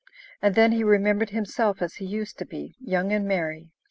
And then he remembered himself as he used to be young and merry.